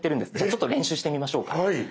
ちょっと練習してみましょうか。